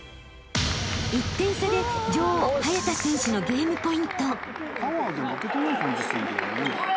［１点差で女王早田選手のゲームポイント］